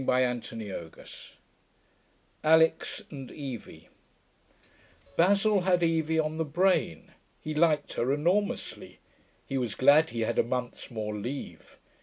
CHAPTER XI ALIX AND EVIE 1 Basil had Evie on the brain. He liked her enormously. He was glad he had a month's more leave.